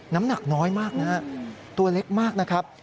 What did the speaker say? น้ำหนักน้อยมากนะฮะตัวเล็กมากนะครับ